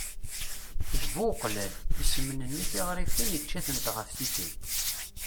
D bu uqlal. Isemnenni tiɣrifin, icca-tent ɣef tikkelt.